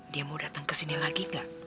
dia mau datang ke sini lagi nggak